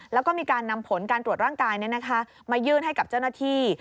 แล้วก็มีการนำผลการตรวจร่างกายมายื่นให้กับเจ้าหน้าที่